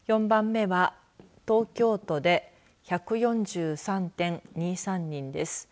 ４番目は東京都で１４３．２３人です。